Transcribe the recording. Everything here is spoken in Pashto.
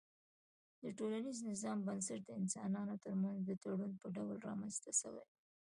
د ټولنيز نظام بنسټ د انسانانو ترمنځ د تړون په ډول رامنځته سوی دی